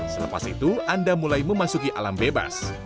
selepas itu anda mulai memasuki alamnya